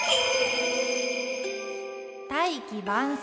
「大器晩成」。